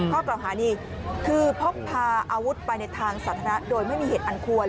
ข้อกล่าวหานี่คือพกพาอาวุธไปในทางสาธารณะโดยไม่มีเหตุอันควร